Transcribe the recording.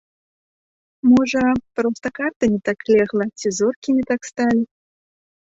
Можа, проста карта не так легла, ці зоркі не так сталі?